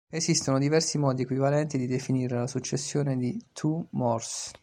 Esistono diversi modi equivalenti di definire la successione di Thue-Morse.